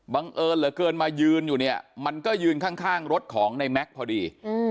บังเอิญเหลือเกินมายืนอยู่เนี่ยมันก็ยืนข้างรถของในแม็กซ์พอดี